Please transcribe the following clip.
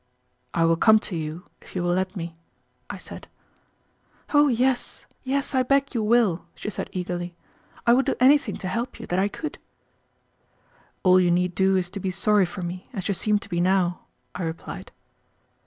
"I will come to you if you will let me," I said. "Oh yes, yes, I beg you will," she said eagerly. "I would do anything to help you that I could." "All you need do is to be sorry for me, as you seem to be now," I replied.